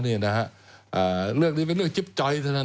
นี่เป็นเรื่องจิ๊บจ้อยเท่านั้นเอง